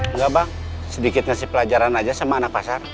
enggak bang sedikit ngasih pelajaran aja sama anak pasar